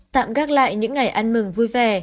tạm gác lại những ngày ăn mừng vui vẻ